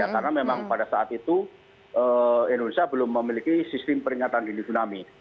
karena memang pada saat itu indonesia belum memiliki sistem peringatan di tsunami